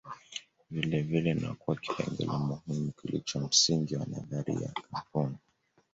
vilevile na kuwa kipengele muhimu kilicho msingi wa nadharia ya kampuni